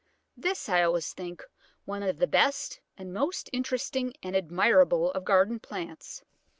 This I always think one of the best and most interesting and admirable of garden plants.